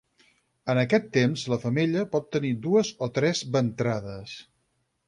En aquest temps la femella pot tenir dues o tres ventrades.